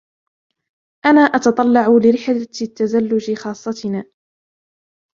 أنا أتتطلع لرحلة التزلج خاصتنا.